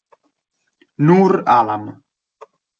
Noor Alam